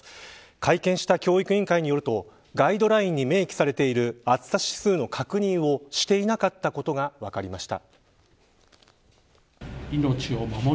会見した教育委員会によるとガイドラインに明記されている暑さ指数の確認をしていなかったことが分かりました。